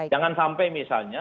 jangan sampai misalnya